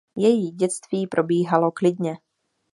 Její dětství probíhalo klidně.